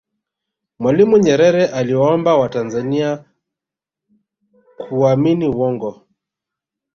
mwalimu nyerere aliwaomba watanzania kuaamini uongo